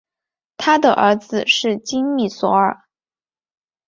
他的儿子是金密索尔。